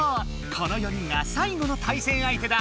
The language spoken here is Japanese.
この４人が最後の対戦相手だ！